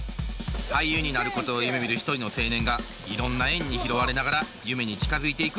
俳優になることを夢みる一人の青年がいろんな縁に拾われながら夢に近づいていく物語です。